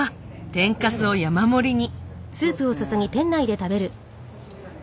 天かすを山盛りに。